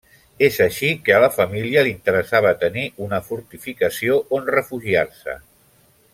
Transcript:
És així que a la família li interessava tenir una fortificació on refugiar-se.